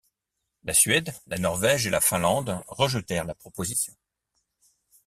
La Suède, la Norvège et la Finlande rejetèrent la proposition.